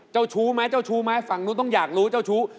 เจ้าชู้ไหมฝั่งนู้นต้องอยากรู้เจ้าชู้